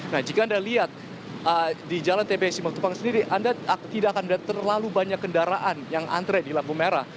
nah jika anda lihat di jalan tb simatupang sendiri anda tidak akan terlalu banyak kendaraan yang antre di lampu merah